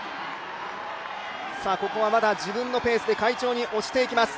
ここはまだ自分のペースで快調に押しています。